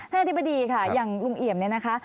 อธิบดีค่ะอย่างลุงเอี่ยมเนี่ยนะคะ